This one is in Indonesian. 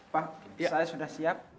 pak saya sudah siap